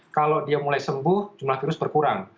kalau dia mulai sembuh jumlah virus berkurang